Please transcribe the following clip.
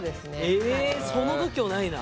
ええその度胸ないな。